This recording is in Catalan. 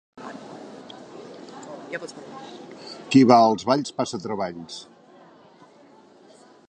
Qui va als balls, passa treballs.